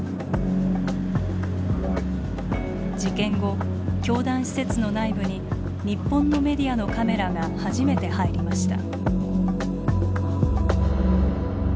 事件後、教団施設の内部に日本のメディアのカメラが初めて入りました。